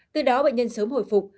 từ đó bệnh nhân sớm hồi phục